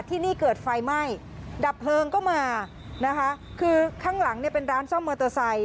ที่นี่เกิดไฟไหม้ดับเพลิงก็มานะคะคือข้างหลังเนี่ยเป็นร้านซ่อมมอเตอร์ไซค